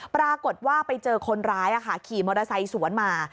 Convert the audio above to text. ปรากฏว่าไปเจอคนร้ายขี่มอเตอร์ไซค์สวนมา